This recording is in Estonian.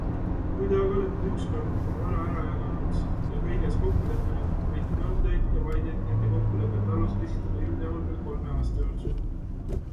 Kui te aga olete ükskord juba vara ära jaganud ja kõiges kokku leppinud, võib nõudeid ja vaideid nende kokkulepete alusel esitada üldjuhul veel kolme aasta jooksul.